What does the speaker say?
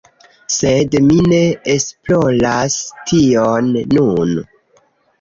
Sed mi ne esploras tion nun